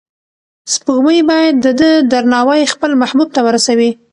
سپوږمۍ باید د ده درناوی خپل محبوب ته ورسوي.